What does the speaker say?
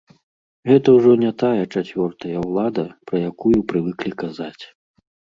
Гэта ўжо не тая чацвёртая ўлада, пра якую прывыклі казаць.